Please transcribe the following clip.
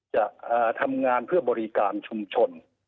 จะทำงานเพื่อบริการชุมชน